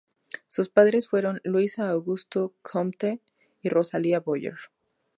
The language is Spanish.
Sus padres fueron Luis Augusto Comte y Rosalía Boyer.